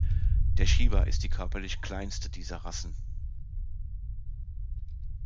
Der Shiba ist die körperlich kleinste dieser Rassen.